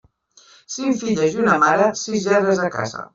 Cinc filles i una mare, sis lladres de casa.